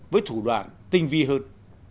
với thủ đoạn tinh vi hơn